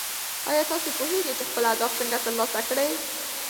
ایا تاسو پوهېږئ چې خپل اهداف څنګه ترلاسه کړئ؟